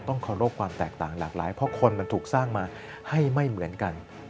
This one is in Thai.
เคารพความแตกต่างหลากหลายเพราะคนมันถูกสร้างมาให้ไม่เหมือนกัน